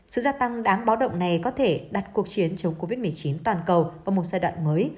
sự gia tăng đáng báo động này có thể đặt cuộc chiến chống covid một mươi chín toàn cầu vào một giai đoạn mới